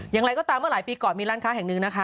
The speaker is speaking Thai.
อย่างไรก็ตามเมื่อหลายปีก่อนมีร้านค้าแห่งหนึ่งนะคะ